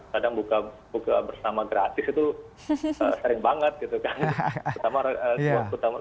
kadang buka buka bersama gratis itu sering banget gitu kan